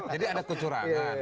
jadi ada kecurangan